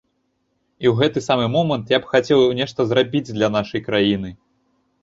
І ў гэты самы момант я б хацеў нешта зрабіць для нашай краіны.